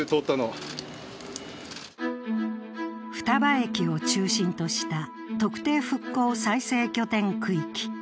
双葉駅を中心とした特定復興再生拠点区域。